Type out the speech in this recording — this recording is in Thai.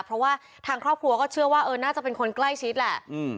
เพราะว่าทางครอบครัวก็เชื่อว่าเออน่าจะเป็นคนใกล้ชิดแหละ